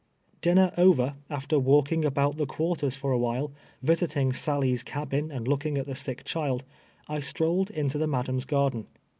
Dinner over, after Avalking about the quarters for a while, visiting Sally's cabin and looking at the sick child, I strolled into the madam's garden.